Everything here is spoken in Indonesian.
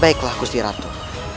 baiklah gusti ratu